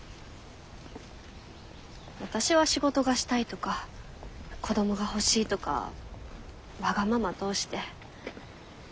私は仕事がしたいとか子どもが欲しいとかわがまま通して。